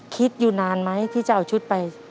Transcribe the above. คิดอยู่นานไหมที่จะเอาชุดไป